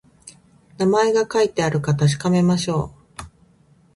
名前が書いてあるか確かめましょう